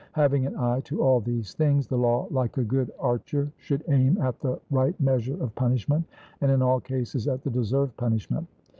Having an eye to all these things, the law, like a good archer, should aim at the right measure of punishment, and in all cases at the deserved punishment.